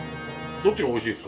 そっちが美味しいです？